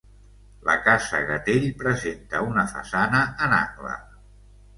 La casa Gatell presenta una façana en angle.